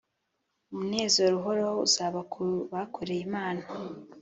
umunezero uhoraho uzaba ku bakoreye imana